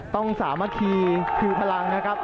ต้องสามารถคีย์คือพลังนะครับ